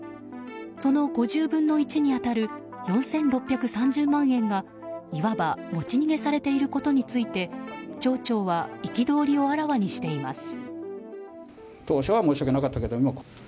その５０分の１に当たる４６３０万円がいわば持ち逃げされていることについて町長は憤りをあらわにしています。